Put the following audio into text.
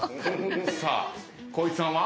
さあ光一さんは？